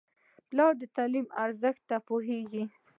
پلار د تعلیم ارزښت ته پوهېږي.